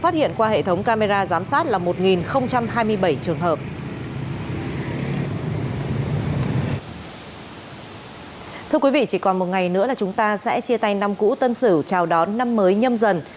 thưa quý vị chỉ còn một ngày nữa là chúng ta sẽ chia tay năm cũ tân sửu chào đón năm mới nhâm dần